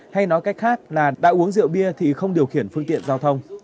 hay nói cách khác là đã uống rượu bia thì không điều khiển phương tiện giao thông